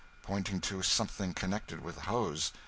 pointing to a something connected with the hose.